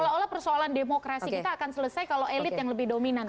jadi itu persoalan demokrasi kita akan selesai kalau elit yang lebih dominan